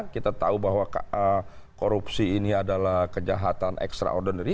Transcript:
kita tahu bahwa korupsi ini adalah kejahatan extraordinary